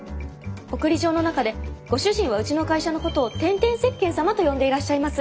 送り状の中でご主人はうちの会社のことを「天天石鹸様」と呼んでいらっしゃいます。